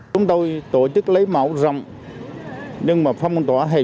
chúng tôi tổ chức lấy mẫu rong nhưng mà phong tỏa hẹp